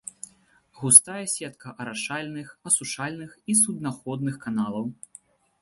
Густая сетка арашальных, асушальных і суднаходных каналаў.